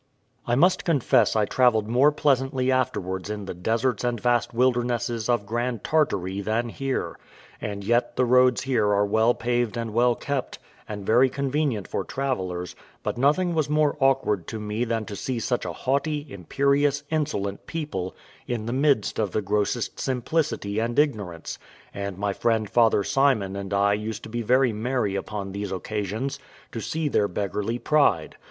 I must confess I travelled more pleasantly afterwards in the deserts and vast wildernesses of Grand Tartary than here, and yet the roads here are well paved and well kept, and very convenient for travellers; but nothing was more awkward to me than to see such a haughty, imperious, insolent people, in the midst of the grossest simplicity and ignorance; and my friend Father Simon and I used to be very merry upon these occasions, to see their beggarly pride.